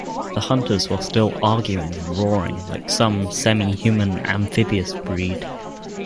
The hunters were still arguing and roaring like some semi-human amphibious breed.